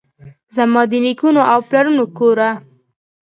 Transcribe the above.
زما دنیکونو اوپلرونو کوره!